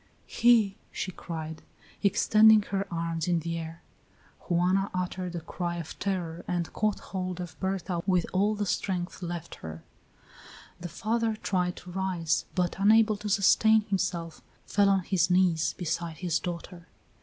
"He!" she cried, extending her arms in the air. Juana uttered a cry of terror and caught hold of Berta with all the strength left her; the father tried to rise, but, unable to sustain himself, fell on his knees beside his daughter.